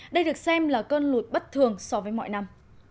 đây được xem là cơn lụt bất thường so với mọi năm